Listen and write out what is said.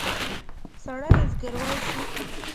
سړي زګېروی شو.